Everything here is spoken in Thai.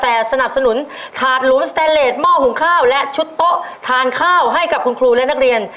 แต่สนับสนุนถาดหลุมสแตนเลสหม้อหุงข้าวและชุดโต๊ะทานข้าวให้กับคุณครูและนักเรียน